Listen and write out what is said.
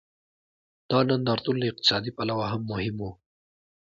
دا نندارتون له اقتصادي پلوه هم مهم و.